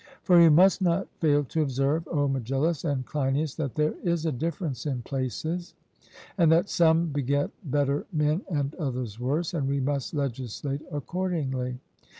For we must not fail to observe, O Megillus and Cleinias, that there is a difference in places, and that some beget better men and others worse; and we must legislate accordingly.